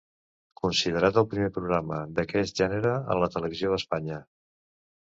Considerat el primer programa d'aquest gènere en la televisió d'Espanya.